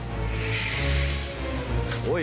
おい！